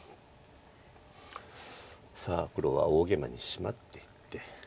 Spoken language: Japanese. さあ黒は大ゲイマにシマっていって。